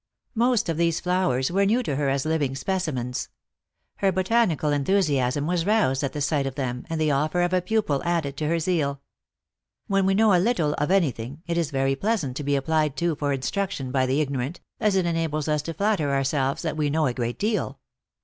Most of these flowers were new to her as living speci mens. Her botanical enthusiasm was roused at the sight of them, and the offer of a pupil added to her zeal. When we know a little of any thing, it is very pleasant to be applied to for instruction by the ignor ant, as it enables us to flatter ourselves that we know a great deal.